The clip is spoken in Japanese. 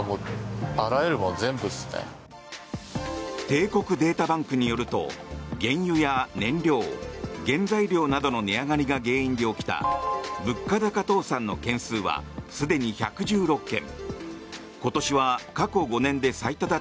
帝国データバンクによると原油や燃料原材料などの値上がりが原因で起きた物価高倒産の件数はすでに１１６件。